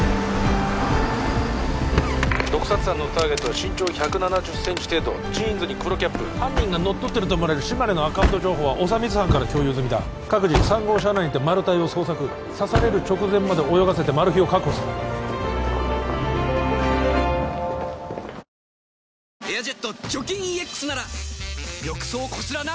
毒殺犯のターゲットは身長１７０ｃｍ程度ジーンズに黒キャップ犯人が乗っ取ってると思われる島根のアカウント情報は小長光班から共有済みだ各自３号車内にてマルタイを捜索刺される直前まで泳がせてマルヒを確保する「エアジェット除菌ＥＸ」なら浴槽こすらな。